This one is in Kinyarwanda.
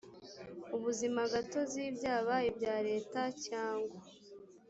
ubuzima gatozi byaba ibya leta cyangwa